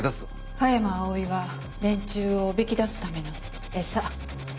葉山葵は連中をおびき出すための餌。